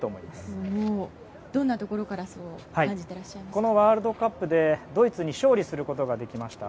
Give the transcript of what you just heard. このワールドカップでドイツに勝利することができました。